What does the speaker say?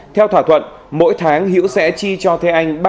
theo thỏa thuận mỗi tháng hữu sẽ chi cho thế anh